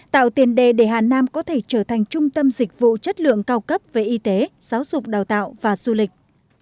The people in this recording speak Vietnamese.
tạo tiền đề để hà nam có thể trở thành trung tâm dịch vụ chất lượng cao cấp về y tế giáo dục đào tạo và du lịch